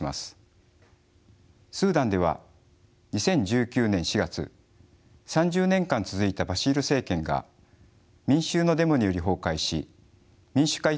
スーダンでは２０１９年４月３０年間続いたバシール政権が民衆のデモにより崩壊し民主化移行政権が誕生しました。